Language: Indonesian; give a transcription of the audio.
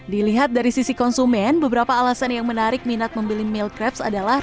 dilihat dari sisi konsumen beberapa alasan yang menarik minat membeli milk crepes adalah